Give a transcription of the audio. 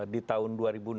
di tahun dua ribu enam belas